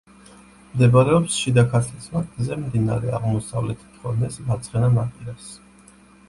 მდებარეობს შიდა ქართლის ვაკეზე, მდინარე აღმოსავლეთ ფრონეს მარცხენა ნაპირას.